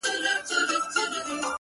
د کلې خلگ به دي څه ډول احسان ادا کړې!